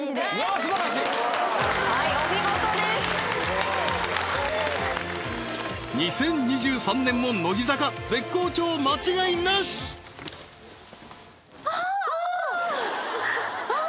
すばらしいはいお見事ですすごい２０２３年も乃木坂絶好調間違いなしあっ！